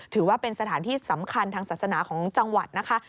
ถือว่าเป็นสถานที่สำคัญทางศาสนาของจังหวัดนะคะ